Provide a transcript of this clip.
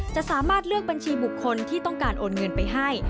จะสามารถเลือกบัญชีบุคคลที่ต้องการโอนเงินไปให้